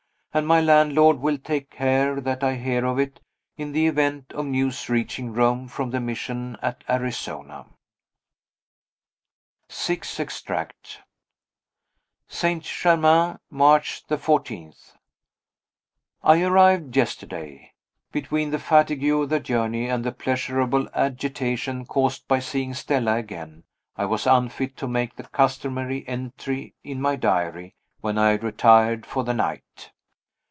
And my landlord will take care that I hear of it, in the event of news reaching Rome from the Mission at Arizona. Sixth Extract. St. Germain, March 14. I arrived yesterday. Between the fatigue of the journey and the pleasurable agitation caused by seeing Stella again, I was unfit to make the customary entry in my diary when I retired for the night.